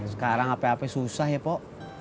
sekarang hape hape susah ya pok